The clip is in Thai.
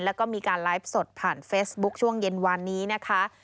แล้วก็มีการไลฟ์สดผ่านเฟซบุ๊คช่วงเย็นวานนี้นะคะ